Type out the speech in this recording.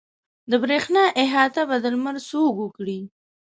د برېښنا احاطه به د لمر څوک وکړي.